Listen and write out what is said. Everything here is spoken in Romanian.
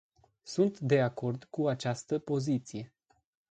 Sunt de acord cu această poziție.